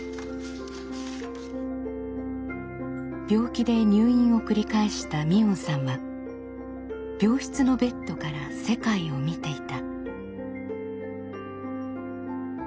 病気で入院を繰り返した海音さんは病室のベッドから世界を見ていた。